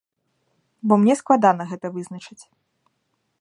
Бо мне складана гэта вызначыць.